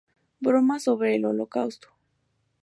Bromas sobre el Holocausto.